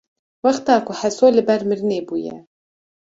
wexta ku Heso li ber mirinê bûye